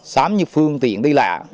xám như phương tiện đi lạ